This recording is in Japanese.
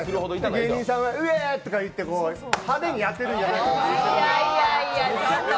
芸人さんはうわとか言って派手にやってるんじゃないかと。